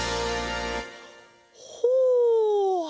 ほう！